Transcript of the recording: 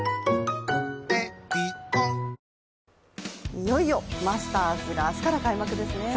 いよいよマスターズが明日から開幕ですね。